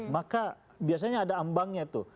maka biasanya ada ambangnya tuh